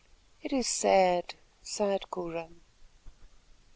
"It is sad," sighed Cora.